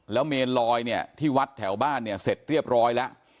แล้วเมนลอยที่วัดแถวบ้านเสร็จเรียบร้อย